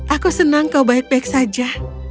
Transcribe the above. aku senang kau baik baik saja